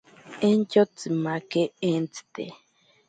Entyo tsimake entsite.